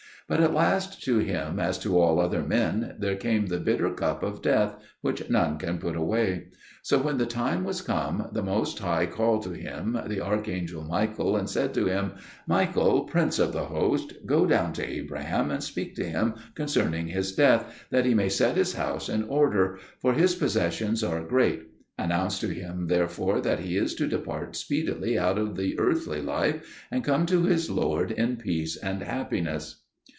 But at last to him, as to all other men, there came the bitter cup of death, which none can put away. So when the time was come, the Most High called to him the archangel Michael and said to him, "Michael, prince of the host, go down to Abraham and speak to him concerning his death, that he may set his house in order: for his possessions are great. Announce to him therefore that he is to depart speedily out of the earthly life, and come to his Lord in peace and happiness."